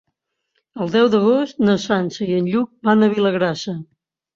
El deu d'agost na Sança i en Lluc van a Vilagrassa.